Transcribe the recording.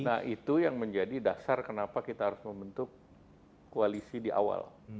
nah itu yang menjadi dasar kenapa kita harus membentuk koalisi di awal